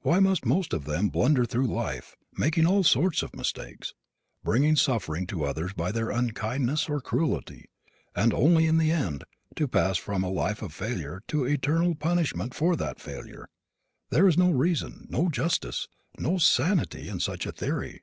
Why must most of them blunder through life, making all sorts of mistakes, bringing suffering to others by their unkindness or cruelty and only, in the end, to pass from a life of failure to eternal punishment for that failure? There is no reason, no justice, no sanity in such a theory.